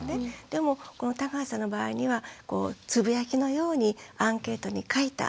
でもこの田川さんの場合にはつぶやきのようにアンケートに書いた。